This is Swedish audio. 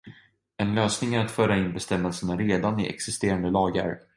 En lösning är att föra in bestämmelserna i redan existerande lagar.